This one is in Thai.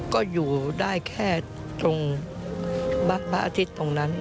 ก็อยู่ได้แค่ตรงบ้านพระหัทธิ์ตรงนั้น